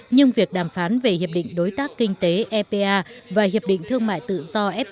nhưng việc đàm phán về hiệp định đối tác kinh tế và hiệp định thương mại tự do